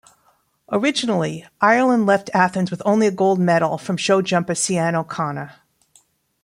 Originally, Ireland left Athens with only a gold medal from show jumper Cian O'Connor.